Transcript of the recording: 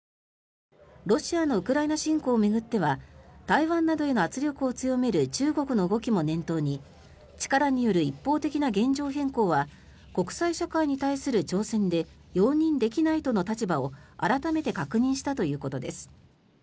ロシアのウクライナ侵攻を巡っては台湾などへの圧力を強める中国の動きも念頭に力による一方的な現状変更は国際社会に対する挑戦で容認できないとの立場を改めて確認したということです。